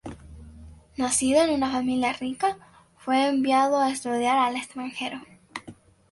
Nacido en una familia rica, fue enviado a estudiar al extranjero.